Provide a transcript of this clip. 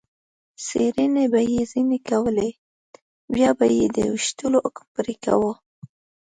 څېړنې به یې ځنې کولې، بیا به یې د وېشتلو حکم پرې کاوه.